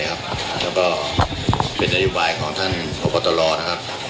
และก็เป็นสิ่งเกี่ยวไว้ของท่านอบปตรนะครับ